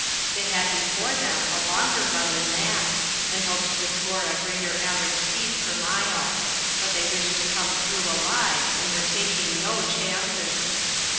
They had before them a longer run than that, and hoped to score a greater average speed per mile; but they wished to come through alive, and were taking no chances.